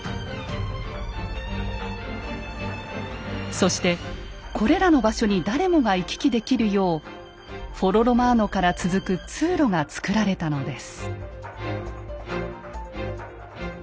そしてこれらの場所に誰もが行き来できるようフォロ・ロマーノから続く通路が造られたのです。